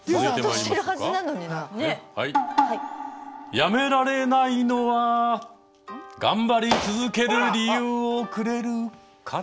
「やめられないのは頑張り続ける理由をくれるから」。